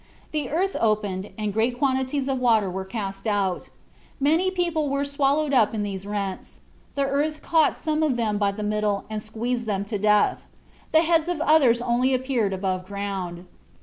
The earth opened, and great quantities of water were cast out; many people were swallowed up in these rents; the earth caught some of them by the middle and squeezed them to death; the heads of others only appeared above ground.